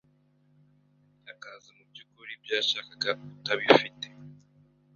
akaza mu by’ukuri ibyo yashakaga utabifite